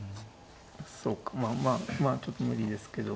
そうかまあちょっと無理ですけど。